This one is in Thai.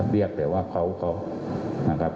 เรียกแต่ว่าเขานะครับ